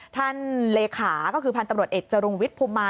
เลขาก็คือพันธุ์ตำรวจเอกจรุงวิทย์ภูมิมา